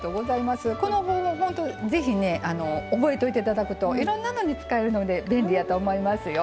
ぜひ覚えておいていただくといろんなのに使えるので便利やと思いますよ。